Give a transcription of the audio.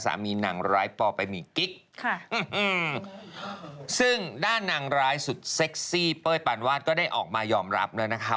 สามีนางร้ายปไปมีกิ๊กซึ่งด้านนางร้ายสุดเซ็กซี่เป้ยปานวาดก็ได้ออกมายอมรับเลยนะคะ